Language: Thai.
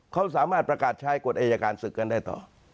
เขาสามารถประกาศใช้กฎอายการศึกกันได้ต่อ